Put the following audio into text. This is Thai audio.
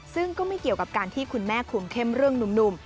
ซึ่งก็ไม่เกี่ยวกับการที่คุณแม่คุมเข้มเรื่องหนุ่ม